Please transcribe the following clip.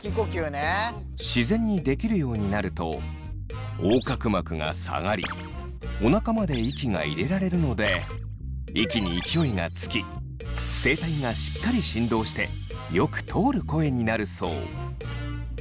自然にできるようになると横隔膜が下がりおなかまで息が入れられるので息に勢いがつき声帯がしっかり振動してよく通る声になるそう。